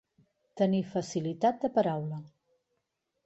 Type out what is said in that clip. Tenir facilitat de paraula.